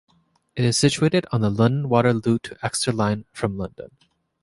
It is situated on the London Waterloo to Exeter line, from London.